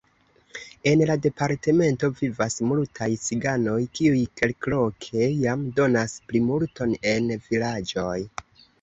En la departemento vivas multaj ciganoj, kiuj kelkloke jam donas plimulton en vilaĝoj.